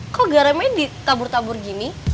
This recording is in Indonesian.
kok garamnya ditabur tabur gini